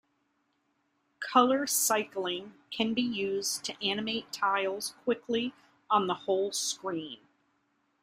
Color cycling can be used to animate tiles quickly on the whole screen.